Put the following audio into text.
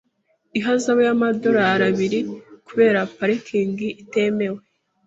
Ihazabu y'amadolari abiri kubera parikingi itemewe.